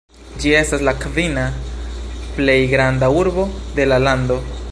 Ĝi estas la kvina plej granda urbo de la lando.